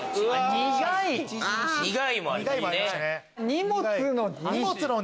荷物の荷！